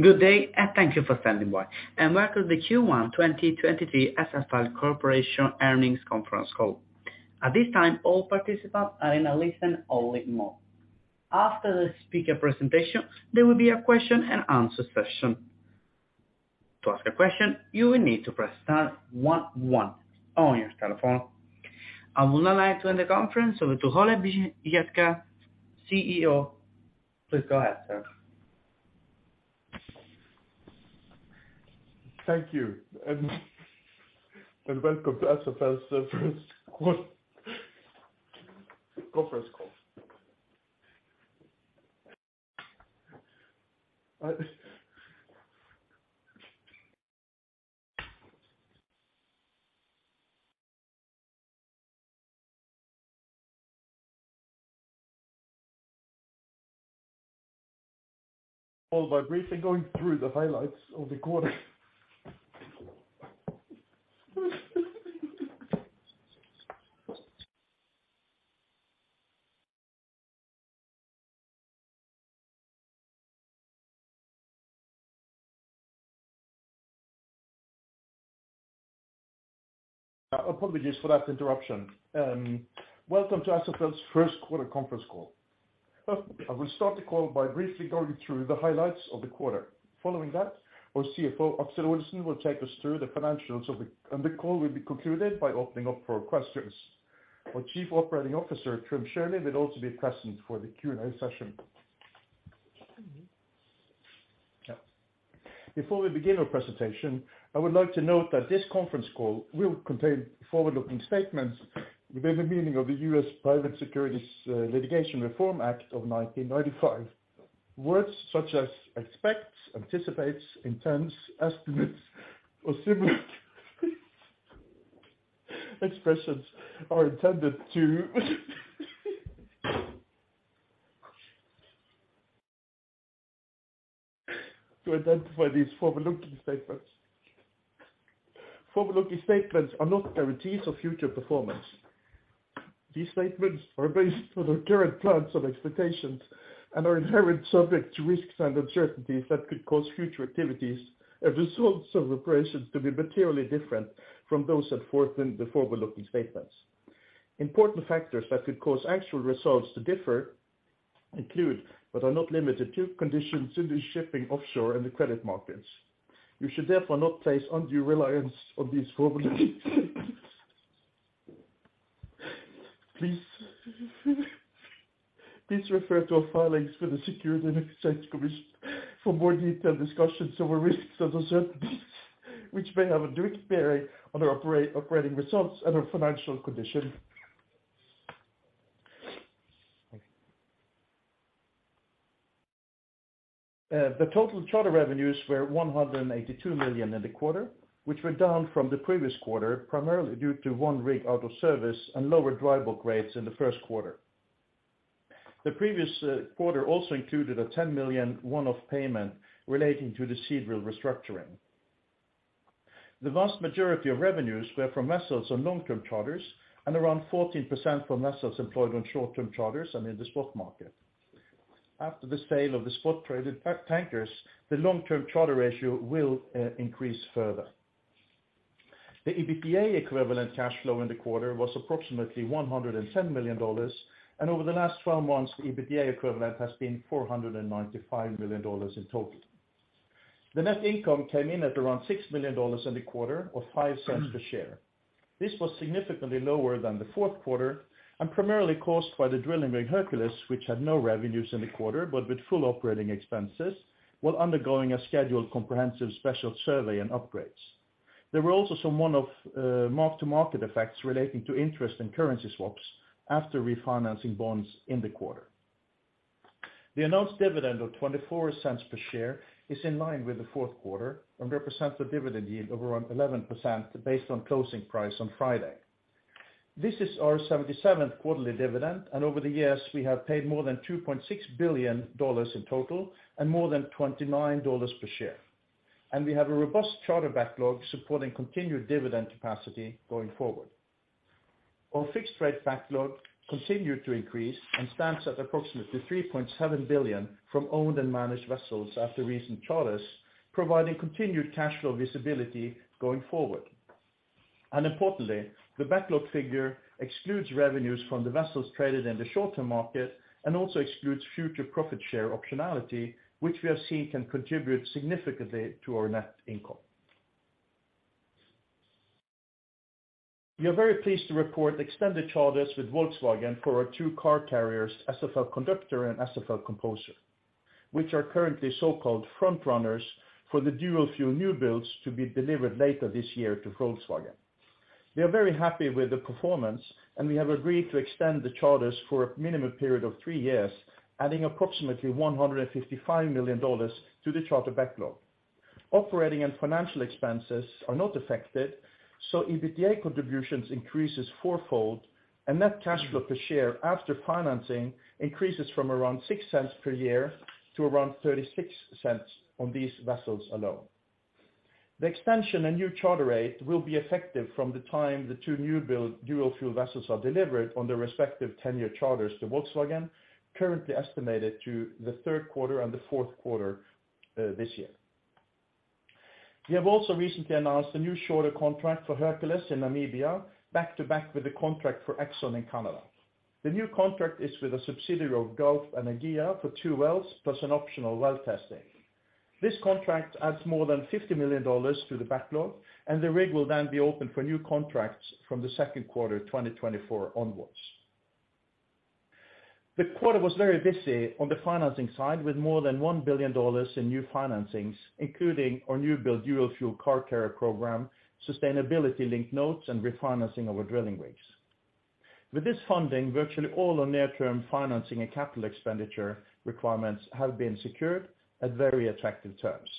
Good day, and thank you for standing by, and welcome to Q1 2023 SFL Corporation Earnings Conference Call. At this time, all participants are in a listen-only mode. After the speaker presentation, there will be a question-and-answer session. To ask a question, you will need to press star one on your telephone. I would now like to end the conference over to Ole B. Hjertaker, CEO. Please go ahead, sir. Thank you, and welcome to SFL's first quarter conference call. I will start the call by briefly going through the highlights of the quarter. Following that, our CFO, Aksel Olesen, will take us through the financials of the. The call will be concluded by opening up for questions. Our Chief Operating Officer, Trym Otto Sjølie, will also be present for the Q&A session. Before we begin our presentation, I would like to note that this conference call will contain forward-looking statements within the meaning of the U.S. Private Securities Litigation Reform Act of 1995. Words such as expect, anticipates, intends, estimates, or similar expressions are intended to identify these forward-looking statements. Forward-looking statements are not guarantees of future performance. These statements are based on our current plans and expectations and are inherent subject to risks and uncertainties that could cause future activities and results of operations to be materially different from those set forth in the forward-looking statements. Important factors that could cause actual results to differ include, but are not limited to, conditions in the shipping offshore and the credit markets. You should therefore not place undue reliance on these forward-looking statements. Please refer to our filings for the Securities and Exchange Commission for more detailed discussions over risks and uncertainties which may have a direct bearing on our operating results and our financial condition. Thank you. The total charter revenues were $182 million in the quarter, which were down from the previous quarter, primarily due to one rig out of service and lower dry lease rates in the first quarter. The previous quarter also included a $10 million one-off payment relating to the Seadrill restructuring. The vast majority of revenues were from vessels on long-term charters and around 14% from vessels employed on short-term charters and in the spot market. After the sale of the spot traded tankers, the long-term charter ratio will increase further. The EBITDA equivalent cash flow in the quarter was approximately $110 million, and over the last 12 months, the EBITDA equivalent has been $495 million in total. The net income came in at around $6 million in the quarter, or $0.05 per share. This was significantly lower than the fourth quarter and primarily caused by the drilling rig, Hercules, which had no revenues in the quarter but with full operating expenses, while undergoing a scheduled comprehensive special survey and upgrades. There were also some one-off, mark-to-market effects relating to interest and currency swaps after refinancing bonds in the quarter. The announced dividend of $0.24 per share is in line with the fourth quarter and represents a dividend yield of around 11% based on closing price on Friday. This is our 77th quarterly dividend. Over the years, we have paid more than $2.6 billion in total and more than $29 per share. We have a robust charter backlog supporting continued dividend capacity going forward. Our fixed rate backlog continued to increase and stands at approximately $3.7 billion from owned and managed vessels after recent charters, providing continued cash flow visibility going forward. Importantly, the backlog figure excludes revenues from the vessels traded in the short-term market and also excludes future profit share optionality, which we are seeing can contribute significantly to our net income. We are very pleased to report extended charters with Volkswagen for our two car carriers, SFL Conductor and SFL Composer, which are currently so-called front runners for the dual fuel new builds to be delivered later this year to Volkswagen. We are very happy with the performance. We have agreed to extend the charters for a minimum period of three years, adding approximately $155 million to the charter backlog. Operating and financial expenses are not affected, EBITDA contributions increases four-fold, and net cash flow per share after financing increases from around $0.06 per year to around $0.36 on these vessels alone. The expansion and new charter rate will be effective from the time the two new build dual fuel vessels are delivered on their respective 10-year charters to Volkswagen, currently estimated to the third quarter and the fourth quarter this year. We have also recently announced a new shorter contract for Hercules in Namibia, back-to-back with the contract for Exxon in Canada. The new contract is with a subsidiary of Galp Energia for two wells, plus an optional well testing. This contract adds more than $50 million to the backlog, and the rig will then be open for new contracts from the second quarter 2024 onwards. The quarter was very busy on the financing side with more than $1 billion in new financings, including our new build dual fuel car carrier program, sustainability-linked notes, and refinancing of our drilling rigs. With this funding, virtually all our near-term financing and capital expenditure requirements have been secured at very attractive terms.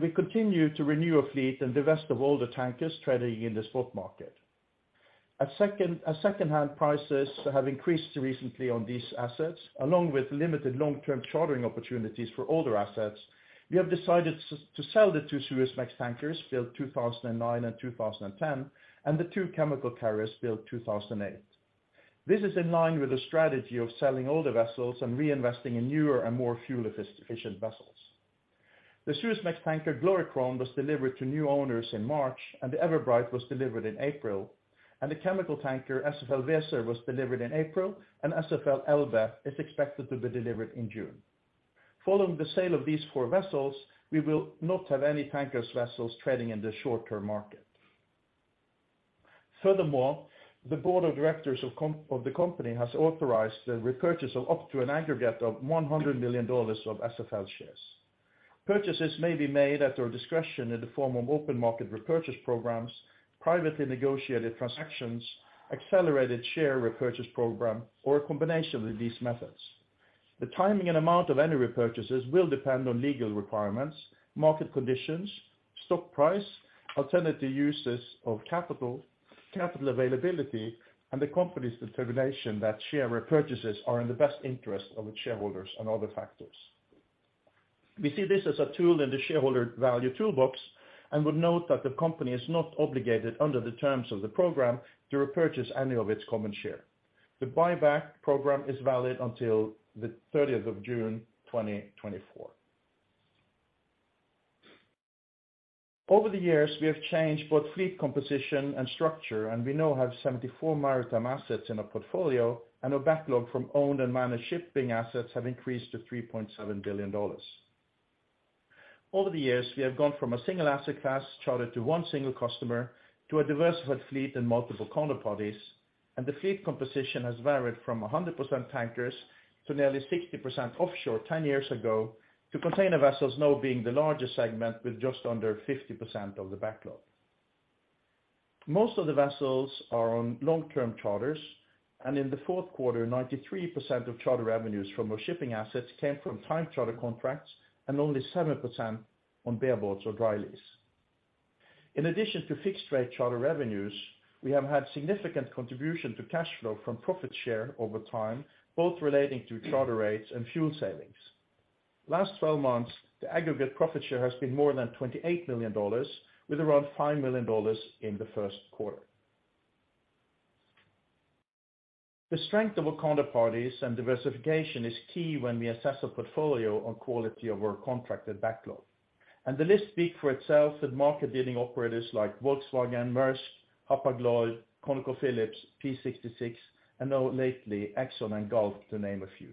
We continue to renew our fleet and divest of older tankers trading in the spot market. As second-hand prices have increased recently on these assets, along with limited long-term chartering opportunities for older assets, we have decided to sell the two Suezmax tankers built 2009 and 2010, and the two chemical carriers built 2008. This is in line with the strategy of selling older vessels and reinvesting in newer and more fuel efficient vessels. The Suezmax tanker, Glorycrown, was delivered to new owners in March, and the Everbright was delivered in April, and the chemical tanker, SFL Weser, was delivered in April, and SFL Elbe is expected to be delivered in June. Following the sale of these four vessels, we will not have any tankers vessels trading in the short-term market. Furthermore, the board of directors of the company has authorized the repurchase of up to an aggregate of $100 million of SFL shares. Purchases may be made at their discretion in the form of open market repurchase programs, privately negotiated transactions, accelerated share repurchase program, or a combination of these methods. The timing and amount of any repurchases will depend on legal requirements, market conditions, stock price, alternative uses of capital availability, and the company's determination that share repurchases are in the best interest of its shareholders and other factors. We see this as a tool in the shareholder value toolbox and would note that the company is not obligated under the terms of the program to repurchase any of its common share. The buyback program is valid until the 30th of June 2024. Over the years, we have changed both fleet composition and structure, and we now have 74 maritime assets in our portfolio, and our backlog from owned and managed shipping assets have increased to $3.7 billion. Over the years, we have gone from a single asset class chartered to one single customer to a diversified fleet in multiple counter parties, and the fleet composition has varied from 100% tankers to nearly 60% offshore 10 years ago to container vessels now being the largest segment with just under 50% of the backlog. Most of the vessels are on long-term charters, and in the fourth quarter, 93% of charter revenues from our shipping assets came from time charter contracts and only 7% on bareboats or dry lease. In addition to fixed rate charter revenues, we have had significant contribution to cash flow from profit share over time, both relating to charter rates and fuel savings. Last 12 months, the aggregate profit share has been more than $28 million, with around $5 million in the first quarter. The strength of our counter parties and diversification is key when we assess a portfolio on quality of our contracted backlog. The list speaks for itself that market-leading operators like Volkswagen, Maersk, Hapag-Lloyd, ConocoPhillips, P66, and now lately, Exxon and Galf, to name a few.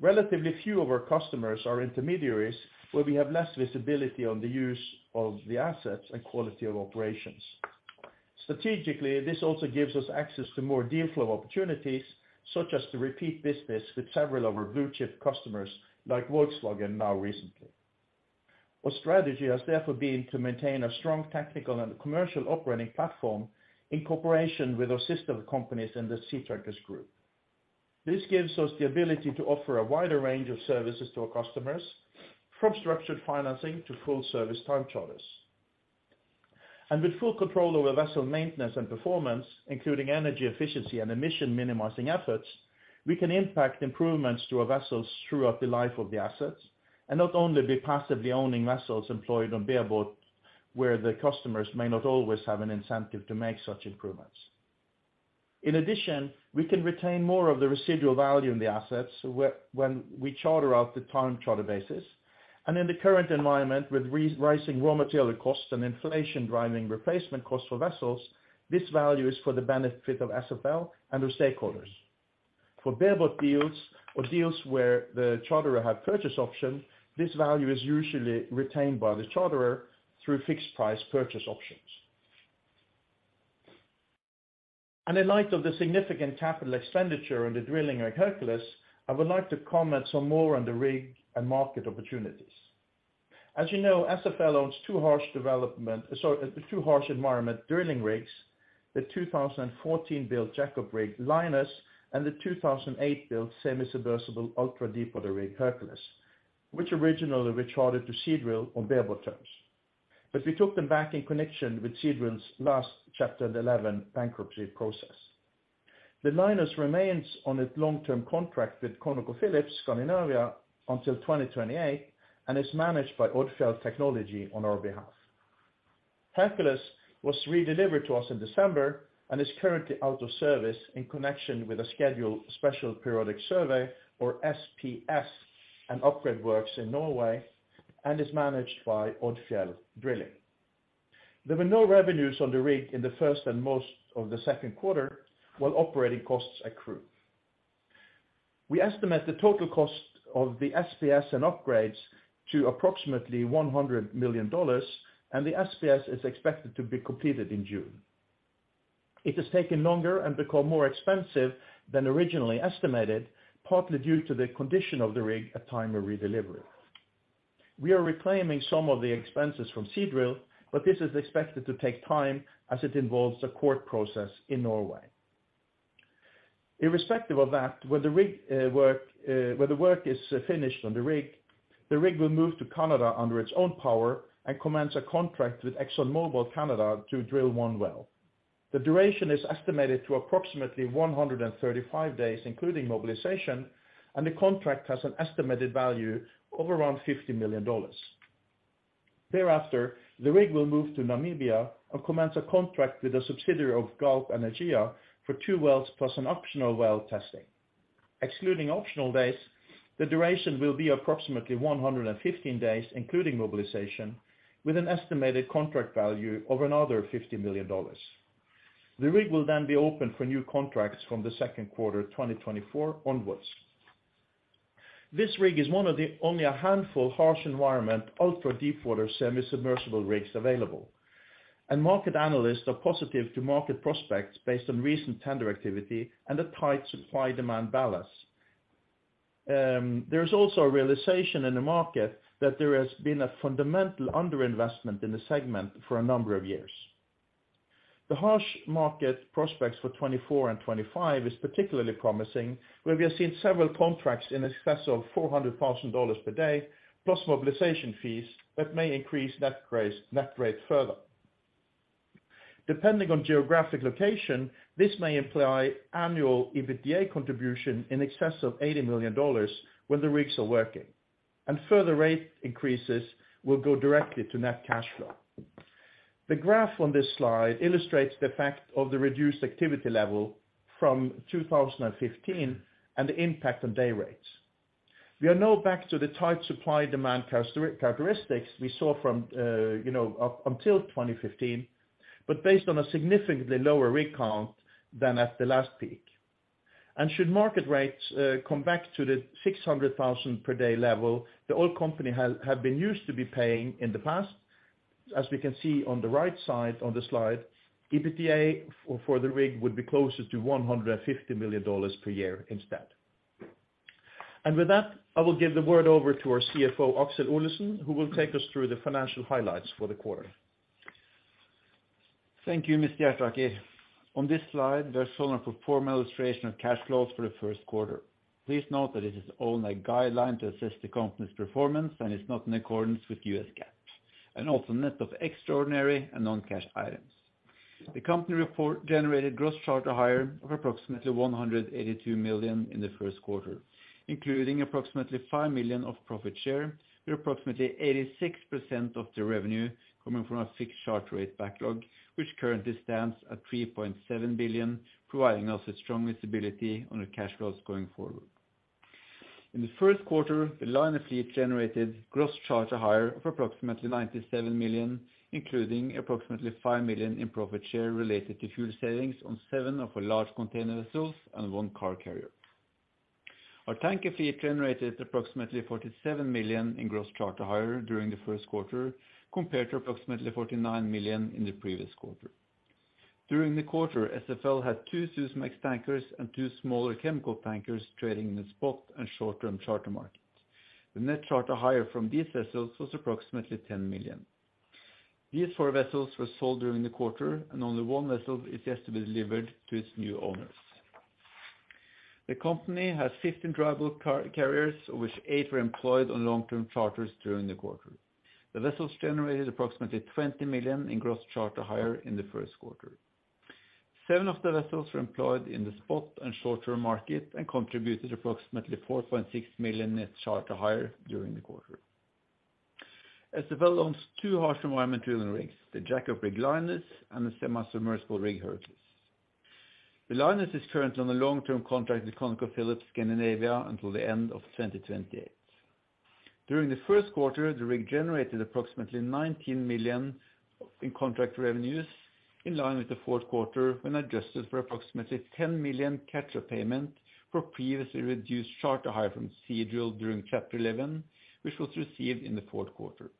Relatively few of our customers are intermediaries, where we have less visibility on the use of the assets and quality of operations. Strategically, this also gives us access to more deal flow opportunities, such as the repeat business with several of our blue chip customers, like Volkswagen now recently. Our strategy has therefore been to maintain a strong technical and commercial operating platform in cooperation with our sister companies in the Seatankers Group. This gives us the ability to offer a wider range of services to our customers, from structured financing to full service time charters. With full control over vessel maintenance and performance, including energy efficiency and emission minimizing efforts, we can impact improvements to our vessels throughout the life of the assets, and not only be passively owning vessels employed on bareboat where the customers may not always have an incentive to make such improvements. In addition, we can retain more of the residual value in the assets when we charter out the time charter basis. In the current environment, with rising raw material costs and inflation driving replacement costs for vessels, this value is for the benefit of SFL and our stakeholders. For bareboat deals or deals where the charterer have purchase option, this value is usually retained by the charterer through fixed price purchase options. In light of the significant capital expenditure in the drilling of Hercules, I would like to comment some more on the rig and market opportunities. As you know, SFL owns two harsh environment drilling rigs. The 2014 build jack-up rig, Linus, and the 2008 build semi-submersible ultra deepwater rig, Hercules, which originally we chartered to Seadrill on bareboat terms. We took them back in connection with Seadrill's last Chapter 11 bankruptcy process. The Linus remains on its long term contract with ConocoPhillips Scandinavia until 2028, and is managed by Odfjell Technology on our behalf. Hercules was redelivered to us in December and is currently out of service in connection with a scheduled special periodic survey or SPS and upgrade works in Norway, and is managed by Odfjell Drilling. There were no revenues on the rig in the first and most of the second quarter while operating costs accrue. We estimate the total cost of the SPS and upgrades to approximately $100 million. The SPS is expected to be completed in June. It has taken longer and become more expensive than originally estimated, partly due to the condition of the rig at time of redelivery. We are reclaiming some of the expenses from Seadrill. This is expected to take time as it involves a court process in Norway. Irrespective of that, when the work is finished on the rig, the rig will move to Canada under its own power and commence a contract with ExxonMobil Canada to drill one well. The duration is estimated to approximately 135 days, including mobilization, the contract has an estimated value of around $50 million. Thereafter, the rig will move to Namibia and commence a contract with a subsidiary of Galp Energia for two wells, plus an optional well testing. Excluding optional days, the duration will be approximately 115 days, including mobilization with an estimated contract value of another $50 million. The rig will then be open for new contracts from the second quarter 2024 onwards. This rig is one of the only a handful harsh environment, ultra deepwater, semi-submersible rigs available. Market analysts are positive to market prospects based on recent tender activity and a tight supply demand balance. There is also a realization in the market that there has been a fundamental under-investment in the segment for a number of years. The harsh market prospects for 2024 and 2025 is particularly promising, where we have seen several contracts in excess of $400,000 per day plus mobilization fees that may increase net rate further. Depending on geographic location, this may imply annual EBITDA contribution in excess of $80 million when the rigs are working, and further rate increases will go directly to net cash flow. The graph on this slide illustrates the effect of the reduced activity level from 2015 and the impact on day rates. We are now back to the tight supply demand characteristics we saw from, you know, up until 2015, but based on a significantly lower rig count than at the last peak. Should market rates come back to the $600,000 per day level the oil company have been used to be paying in the past. As we can see on the right side on the slide, EBITDA for the rig would be closer to $150 million per year instead. With that, I will give the word over to our CFO, Aksel Olesen, who will take us through the financial highlights for the quarter. Thank you, Hjertaker. On this slide there's shown a pro forma illustration of cash flows for the first quarter. Please note that this is only a guideline to assess the company's performance and is not in accordance with U.S. GAAP, and also net of extraordinary and non-cash items. The company report generated gross charter hire of approximately $182 million in the first quarter, including approximately $5 million of profit share, with approximately 86% of the revenue coming from our fixed charter rate backlog, which currently stands at $3.7 billion, providing us with strong visibility on our cash flows going forward. In the first quarter, the liner fleet generated gross charter hire of approximately $97 million, including approximately $5 million in profit share related to fuel savings on seven of our large container vessels and one car carrier. Our tanker fleet generated approximately $47 million in gross charter hire during the first quarter, compared to approximately $49 million in the previous quarter. During the quarter, SFL had two Suezmax tankers and two smaller chemical tankers trading in the spot and short-term charter markets. The net charter hire from these vessels was approximately $10 million. These four vessels were sold during the quarter and only one vessel is yet to be delivered to its new owners. The company has 15 dry bulk car-carriers, of which eight were employed on long-term charters during the quarter. The vessels generated approximately $20 million in gross charter hire in the first quarter. Seven of the vessels were employed in the spot and short-term market and contributed approximately $4.6 million net charter hire during the quarter. SFL owns two harsh environment drilling rigs, the jackup rig Linus and the semi-submersible rig Hercules. The Linus is currently on a long-term contract with ConocoPhillips Skandinavia until the end of 2028. During the first quarter, the rig generated approximately $19 million in contract revenues, in line with the fourth quarter, when adjusted for approximately $10 million capture payment for previously reduced charter hire from Seadrill during Chapter 11, which was received in the fourth quarter.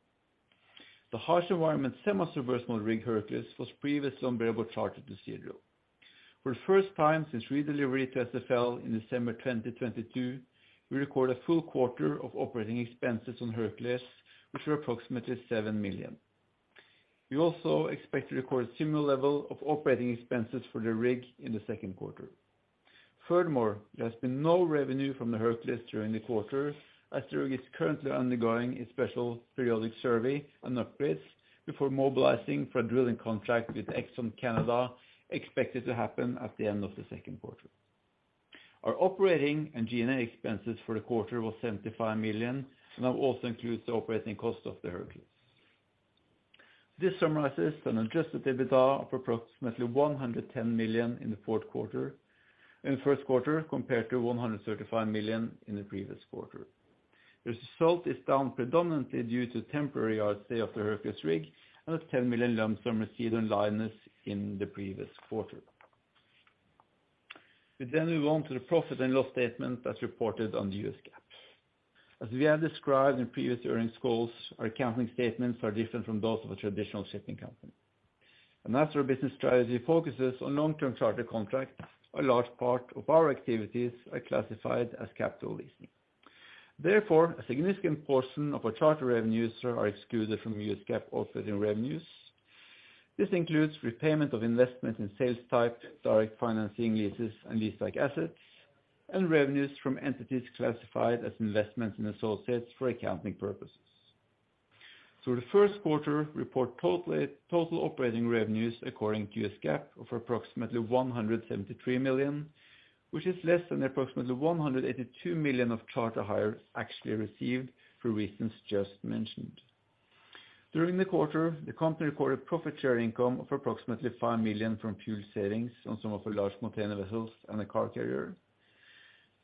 The harsh environment semi-submersible rig Hercules was previously on variable charter to Seadrill. For the first time since redelivery to SFL in December 2022, we record a full quarter of operating expenses on Hercules, which were approximately $7 million. We also expect to record a similar level of operating expenses for the rig in the second quarter. There has been no revenue from the Hercules during the quarter, as the rig is currently undergoing a special periodic survey and upgrades before mobilizing for a drilling contract with ExxonCanada, expected to happen at the end of the second quarter. Our operating and G&A expenses for the quarter was $75 million. That also includes the operating cost of the Hercules. This summarizes an adjusted EBITDA of approximately $110 million in the first quarter compared to $135 million in the previous quarter. This result is down predominantly due to temporary yard stay of the Hercules rig and a $10 million lump sum received on Linus in the previous quarter. We move on to the profit and loss statement as reported on the U.S. GAAP. As we have described in previous earnings calls, our accounting statements are different from those of a traditional shipping company. As our business strategy focuses on long-term charter contracts, a large part of our activities are classified as capital leasing. Therefore, a significant portion of our charter revenues are excluded from U.S. GAAP operating revenues. This includes repayment of investment in sales type, direct financing leases and lease-like assets, and revenues from entities classified as investments in associates for accounting purposes. The first quarter report total operating revenues according to U.S. GAAP of approximately $173 million, which is less than approximately $182 million of charter hires actually received for reasons just mentioned. During the quarter, the company recorded profit share income of approximately $5 million from fuel savings on some of the large container vessels and a car carrier.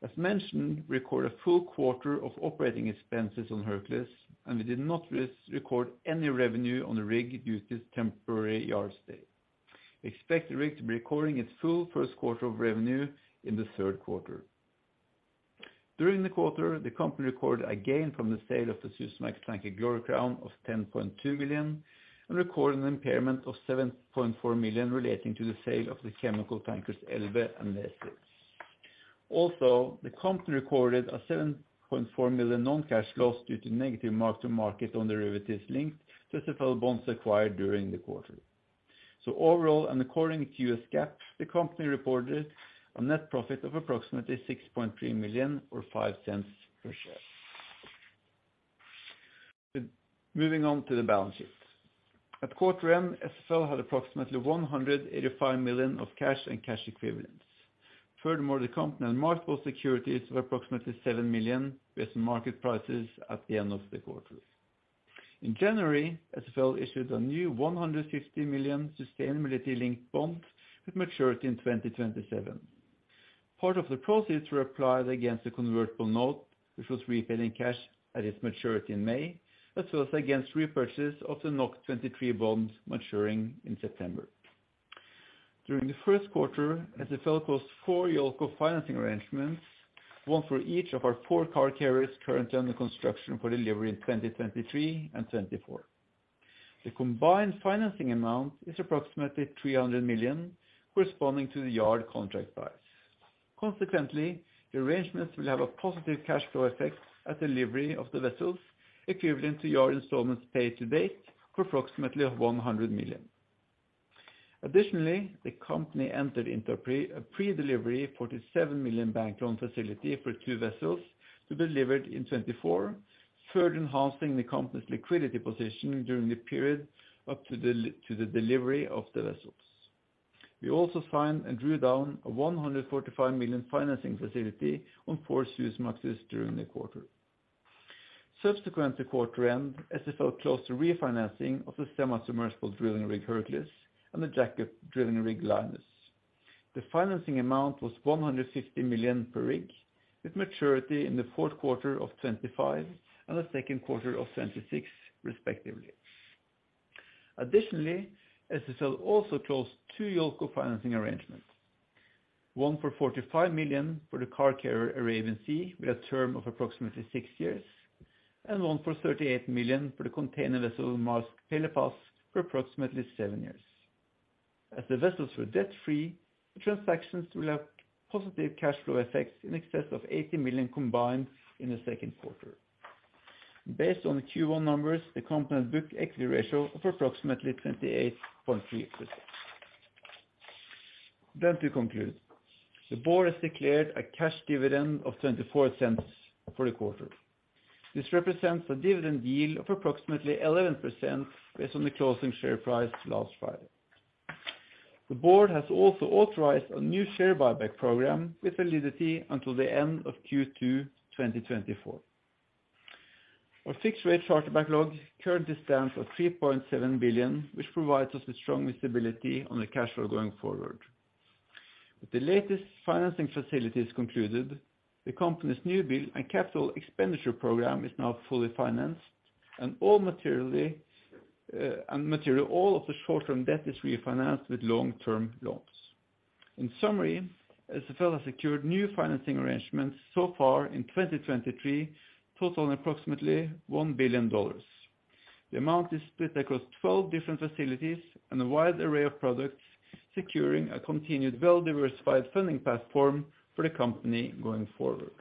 As mentioned, we record a full quarter of operating expenses on Hercules, and we did not record any revenue on the rig due to its temporary yard stay. Expect the rig to be recording its full first quarter of revenue in the third quarter. During the quarter, the company recorded a gain from the sale of the Supramax tanker Glorycrown of $10.2 million, and recorded an impairment of $7.4 million relating to the sale of the chemical tankers Elbe and Elbe. The company recorded a $7.4 million non-cash loss due to negative mark-to-market on derivatives linked to SFL bonds acquired during the quarter. Overall, and according to U.S. GAAP, the company reported a net profit of approximately $6.3 million or $0.05 per share. Moving on to the balance sheet. At quarter end, SFL had approximately $185 million of cash and cash equivalents. Furthermore, the company had marketable securities of approximately $7 million with some market prices at the end of the quarter. In January, SFL issued a new $150 million sustainability-linked bond with maturity in 2027. Part of the proceeds were applied against a convertible note, which was repaid in cash at its maturity in May, as well as against repurchase of the 23 bonds maturing in September. During the first quarter, SFL closed four JOLCO financing arrangements, one for each of our four car carriers currently under construction for delivery in 2023 and 2024. The combined financing amount is approximately $300 million, corresponding to the yard contract price. Consequently, the arrangements will have a positive cash flow effect at delivery of the vessels equivalent to yard installments paid to date for approximately $100 million. Additionally, the company entered into a pre-delivery $47 million bank loan facility for two vessels to be delivered in 2024, further enhancing the company's liquidity position during the period up to the delivery of the vessels. We also signed and drew down a $145 million financing facility on four Supramaxes during the quarter. Subsequent to quarter end, SFL closed the refinancing of the semi-submersible drilling rig, Hercules, and the jack-up drilling rig, Linus. The financing amount was $150 million per rig, with maturity in the fourth quarter of 2025 and the second quarter of 2026 respectively. Additionally, SFL also closed two JOLCO financing arrangements, one for $45 million for the car carrier Arabian Sea with a term of approximately six years, and one for $38 million for the container vessel Maersk Pelepas for approximately seven years. As the vessels were debt-free, the transactions will have positive cash flow effects in excess of $80 million combined in the second quarter. Based on the Q1 numbers, the company has booked equity ratio of approximately 28.3%. To conclude, the board has declared a cash dividend of $0.24 for the quarter. This represents a dividend yield of approximately 11% based on the closing share price last Friday. The board has also authorized a new share buyback program with validity until the end of Q2, 2024. Our fixed rate charter backlog currently stands at $3.7 billion, which provides us with strong visibility on the cash flow going forward. With the latest financing facilities concluded, the company's new build and capital expenditure program is now fully financed, and material all of the short-term debt is refinanced with long-term loans. In summary, SFL has secured new financing arrangements so far in 2023, totaling approximately $1 billion. The amount is split across 12 different facilities and a wide array of products, securing a continued well-diversified funding platform for the company going forward.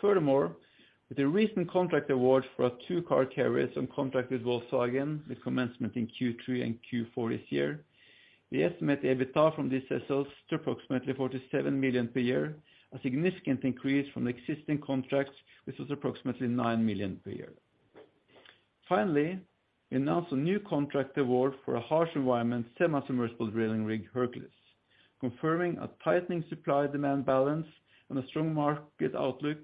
Furthermore, with the recent contract award for our two car carriers on contract with Volkswagen, with commencement in Q3 and Q4 this year, we estimate the EBITDA from these vessels to approximately $47 million per year, a significant increase from the existing contracts, which was approximately $9 million per year. Finally, we announced a new contract award for a harsh environment semi-submersible drilling rig, Hercules, confirming a tightening supply demand balance and a strong market outlook,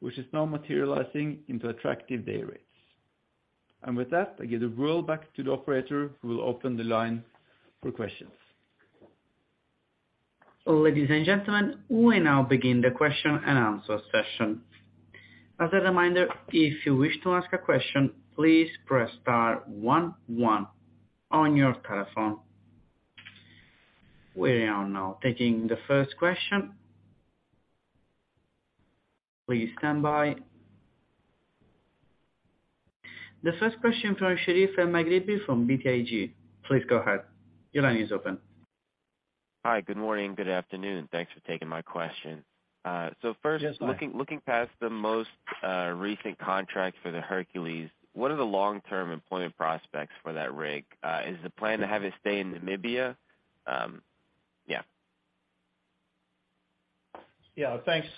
which is now materializing into attractive day rates. With that, I give the roll back to the operator, who will open the line for questions. Ladies and gentlemen, we now begin the question and answer session. As a reminder, if you wish to ask a question, please press star 11 on your telephone. We are now taking the first question. Please stand by. The first question from Sherif Elmaghrabi from BTIG. Please go ahead. Your line is open. Hi, good morning, good afternoon. Thanks for taking my question. Yes, hi.... looking past the most recent contract for the Hercules, what are the long-term employment prospects for that rig? Is the plan to have it stay in Namibia? Yeah, thanks.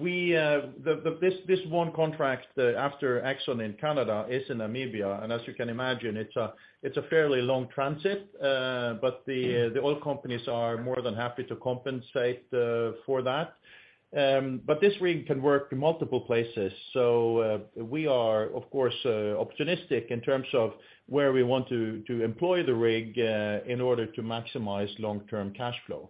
We, the one contract after ExxonMobil in Canada is in Namibia, and as you can imagine, it's a fairly long transit, but the oil companies are more than happy to compensate for that. This rig can work in multiple places. We are, of course, opportunistic in terms of where we want to employ the rig in order to maximize long-term cashflow.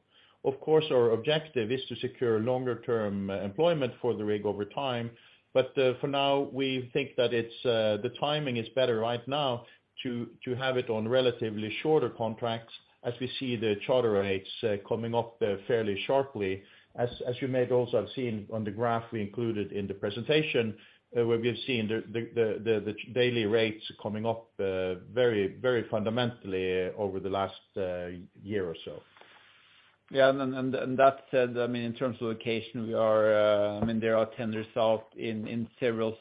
Of course, our objective is to secure longer-term employment for the rig over time, but for now we think that the timing is better right now to have it on relatively shorter contracts as we see the charter rates coming up fairly sharply. As you may also have seen on the graph we included in the presentation, where we have seen the daily rates coming up, very fundamentally over the last year or so. That said, I mean, in terms of location, we are, I mean, there are tenders out in several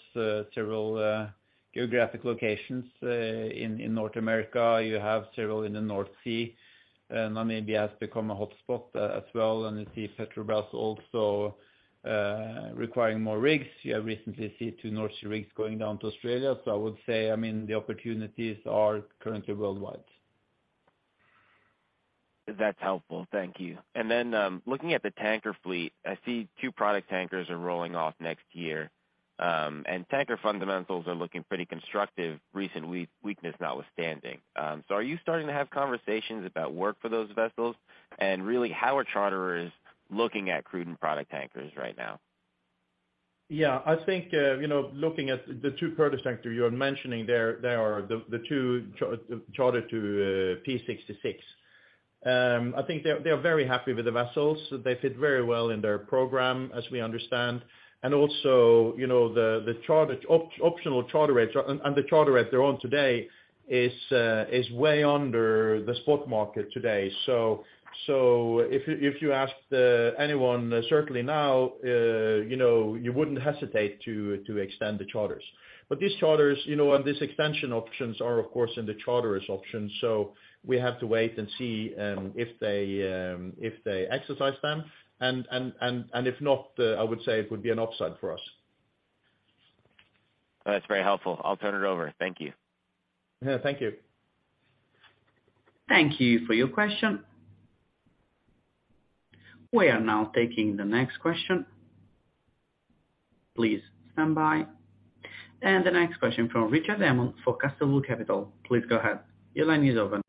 geographic locations in North America. You have several in the North Sea, and Namibia has become a hotspot as well. You see Petrobras also requiring more rigs. You have recently seen two North Sea rigs going down to Australia. I would say, I mean, the opportunities are currently worldwide. That's helpful. Thank you. Looking at the tanker fleet, I see two product tankers are rolling off next year, and tanker fundamentals are looking pretty constructive recent weakness notwithstanding. Are you starting to have conversations about work for those vessels? Really, how are charterers looking at crude and product tankers right now? Yeah. I think, you know, looking at the two product tanker you're mentioning, they are the two chartered to P66. I think they're very happy with the vessels. They fit very well in their program as we understand. Also, you know, the charter, optional charter rates and the charter rate they're on today is way under the spot market today. So if you ask anyone certainly now, you know, you wouldn't hesitate to extend the charters. These charters, you know, these extension options are of course in the charterers options. We have to wait and see if they exercise them. If not, I would say it would be an upside for us. That's very helpful. I'll turn it over. Thank you. Yeah, thank you. Thank you for your question. We are now taking the next question. Please stand by. The next question from Richard Diamond for Castlewood Capital. Please go ahead. Your line is open.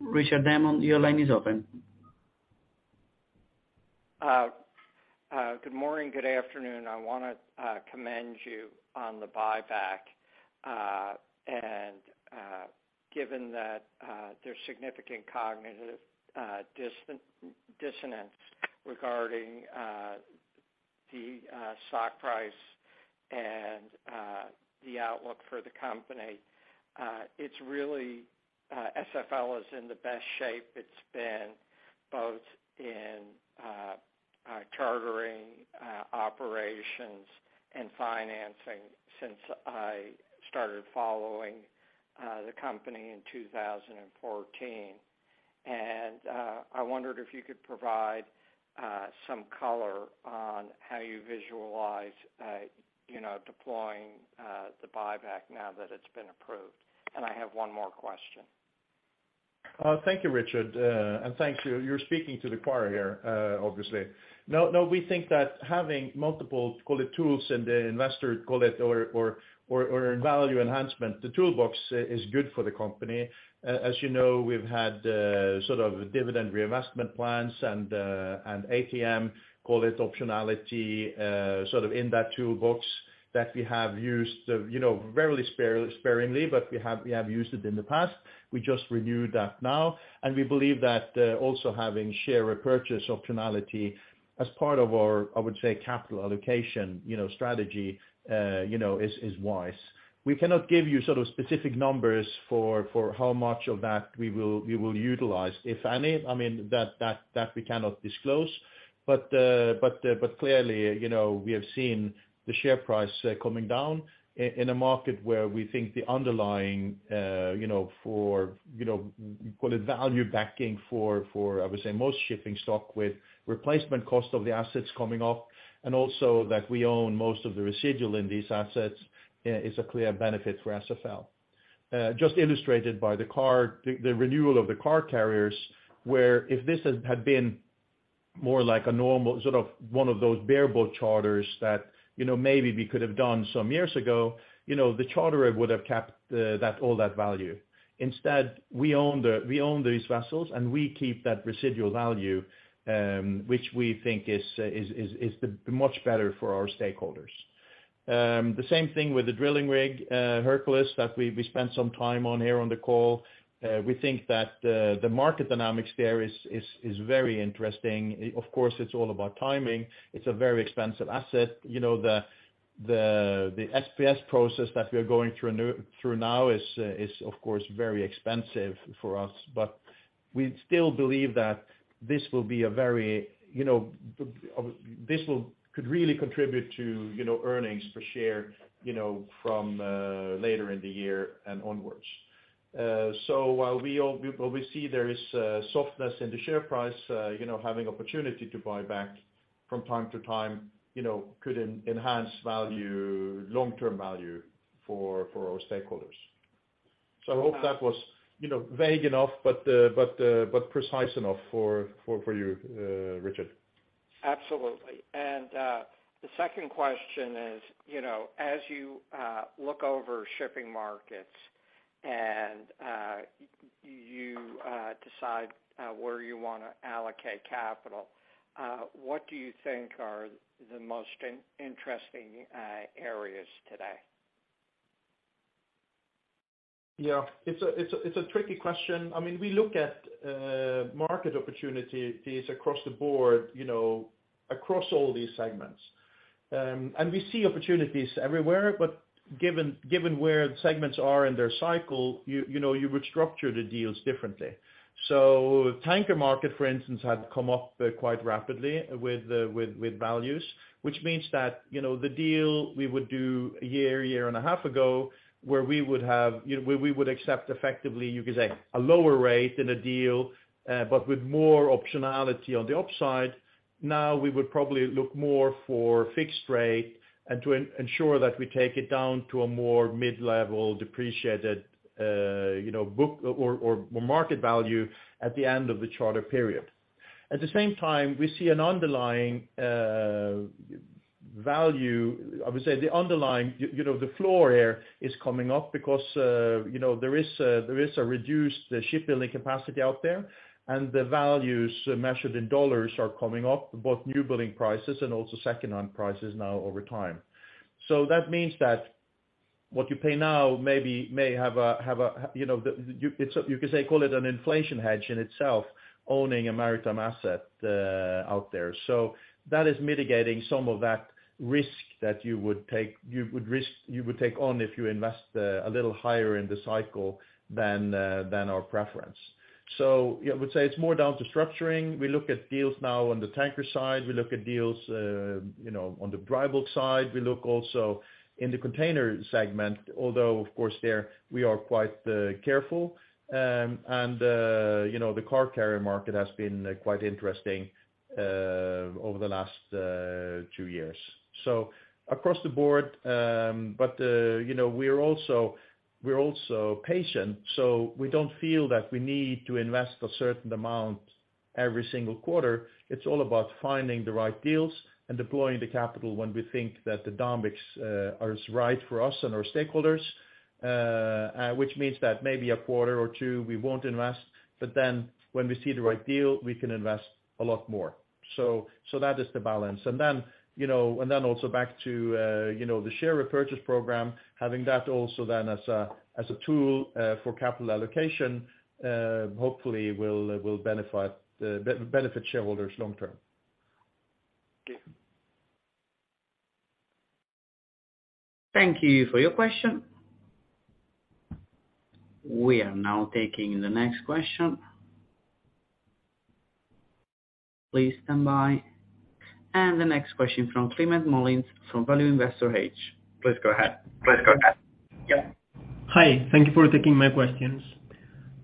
Richard Diamond, your line is open. Good morning, good afternoon. I wanna commend you on the buyback. Given that there's significant cognitive dissonance regarding the stock price and the outlook for the company, it's really SFL is in the best shape it's been, both in chartering operations and financing since I started following the company in 2014. I wondered if you could provide some color on how you visualize, you know, deploying the buyback now that it's been approved. I have one more question. Thank you, Richard. And thanks, you're speaking to the choir here, obviously. No, we think that having multiple, call it tools in the investor call it or value enhancement, the toolbox is good for the company. As you know, we've had sort of dividend reinvestment plans and ATM call it optionality sort of in that toolbox that we have used, you know, rarely, sparingly, but we have used it in the past. We just renewed that now, and we believe that also having share repurchase optionality as part of our, I would say, capital allocation, you know, strategy, you know, is wise. We cannot give you sort of specific numbers for how much of that we will utilize, if any. I mean, that we cannot disclose. Clearly, you know, we have seen the share price coming down in a market where we think the underlying, you know, for, you know, call it value backing for I would say most shipping stock with replacement cost of the assets coming off, and also that we own most of the residual in these assets, is a clear benefit for SFL. Just illustrated by the car, the renewal of the car carriers, where if this had been more like a normal sort of one of those bareboat charters that, you know, maybe we could have done some years ago, you know, the charterer would have kept that, all that value. Instead, we own these vessels, and we keep that residual value, which we think is the much better for our stakeholders. The same thing with the drilling rig, Hercules, that we spent some time on here on the call. We think that the market dynamics there is very interesting. Of course, it's all about timing. It's a very expensive asset. You know, the SPS process that we are going through now is of course very expensive for us. We still believe that this will be a very, you know. This could really contribute to, you know, earnings per share, you know, from later in the year and onwards. While we see there is softness in the share price, you know, having opportunity to buy back from time to time, you know, could enhance value, long-term value for our stakeholders. I hope that was, you know, vague enough, but precise enough for you, Richard. Absolutely. The second question is, you know, as you look over shipping markets and you decide where you wanna allocate capital, what do you think are the most interesting areas today? Yeah, it's a tricky question. I mean, we look at market opportunities across the board, you know, across all these segments. We see opportunities everywhere, but given where segments are in their cycle, you know, you would structure the deals differently. Tanker market, for instance, had come up quite rapidly with values, which means that, you know, the deal we would do a year and a half ago, where we would have, you know, where we would accept effectively, you could say, a lower rate in a deal, but with more optionality on the upside. Now we would probably look more for fixed rate and to ensure that we take it down to a more mid-level depreciated, you know, book or market value at the end of the charter period. At the same time, we see an underlying value, I would say the underlying, you know, the floor here is coming up because, you know, there is a reduced shipbuilding capacity out there, and the values measured in $ are coming up, both new building prices and also secondhand prices now over time. That means that what you pay now maybe may have a, you know, the, you could say call it an inflation hedge in itself, owning a maritime asset out there. That is mitigating some of that risk that you would take on if you invest a little higher in the cycle than our preference. Yeah, I would say it's more down to structuring. We look at deals now on the tanker side. We look at deals, you know, on the dry bulk side. We look also in the container segment. Although, of course there we are quite careful. You know, the car carrier market has been quite interesting over the last two years. Across the board, you know, we are also, we're also patient. We don't feel that we need to invest a certain amount every single quarter. It's all about finding the right deals and deploying the capital when we think that the dynamics are as right for us and our stakeholders, which means that maybe a quarter or two we won't invest. Then when we see the right deal, we can invest a lot more. That is the balance. You know, and then also back to, you know, the share repurchase program, having that also then as a tool, for capital allocation, hopefully will benefit shareholders long term. Okay. Thank you for your question. We are now taking the next question. Please stand by. The next question from Climent Molins from Value Investor's Edge. Please go ahead. Yeah. Hi. Thank you for taking my questions.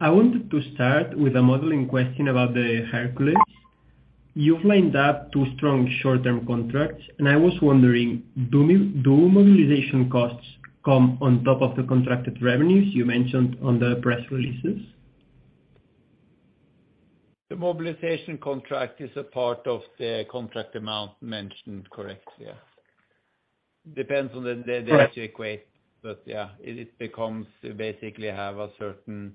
I wanted to start with a modeling question about the Hercules. You've lined up two strong short-term contracts, and I was wondering, do mobilization costs come on top of the contracted revenues you mentioned on the press releases? The mobilization contract is a part of the contract amount mentioned, correct, yeah. Depends on the, the. Right. Yeah, it becomes you basically have a certain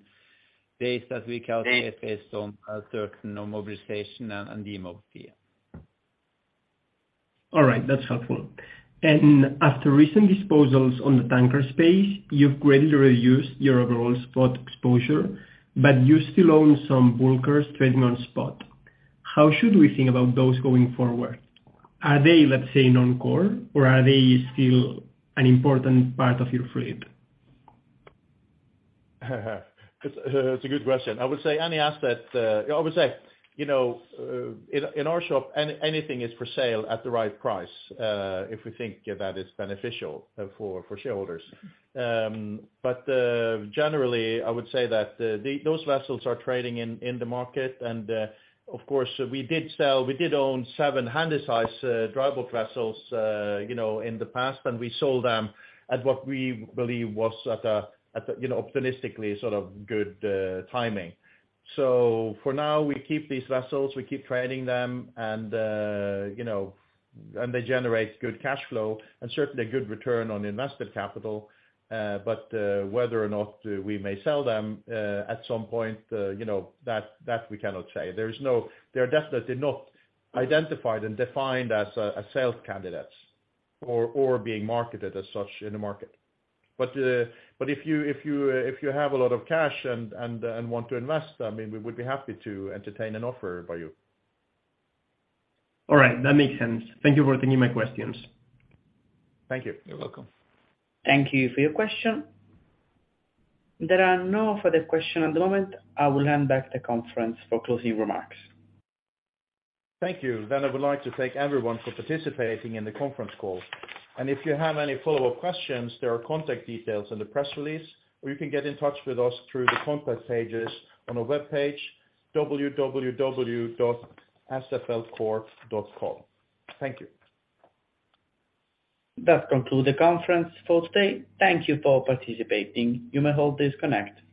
base that we calculate based on a certain mobilization and demob, yeah. All right, that's helpful. After recent disposals on the tanker space, you've greatly reduced your overall spot exposure, but you still own some bulkers trading on spot. How should we think about those going forward? Are they, let's say, non-core, or are they still an important part of your fleet? It's a good question. I would say any asset, you know, in our shop, anything is for sale at the right price, if we think that it's beneficial for shareholders. Generally, I would say that those vessels are trading in the market. Of course, we did own seven handysize dry bulk vessels, you know, in the past, and we sold them at what we believe was at a, you know, optimistically sort of good timing. For now, we keep these vessels, we keep trading them and, you know, they generate good cash flow and certainly a good return on invested capital. Uh, but, uh, whether or not we may sell them, uh, at some point, uh, you know, that, that we cannot say. There is no-- They are definitely not identified and defined as, uh, a sales candidates or, or being marketed as such in the market. But, uh, but if you, if you, if you have a lot of cash and, and, and want to invest, I mean, we would be happy to entertain an offer by you. All right, that makes sense. Thank Thank you for taking my questions. Thank you. You're welcome. Thank you for your question. There are no further question at the moment. I will hand back the conference for closing remarks. Thank you. I would like to thank everyone for participating in the conference call. If you have any follow-up questions, there are contact details in the press release or you can get in touch with us through the contact pages on our webpage, www.sflcorp.com. Thank you. That concludes the conference for today. Thank Thank you for participating. You may all disconnect.